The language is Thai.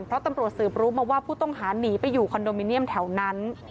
เพราะตำรวจสืบรู้มาว่าผู้ต้องหาหนีไปอยู่คอนโดมิเนียมแถวนั้น